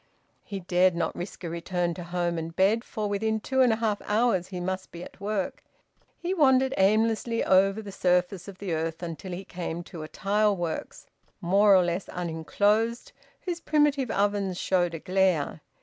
He dared not risk a return to home and bed, for within two and a half hours he must be at work. He wandered aimlessly over the surface of the earth until he came to a tile works, more or less unenclosed, whose primitive ovens showed a glare.